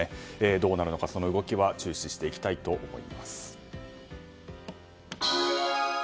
どうなるのかの動きは注視していきたいと思います。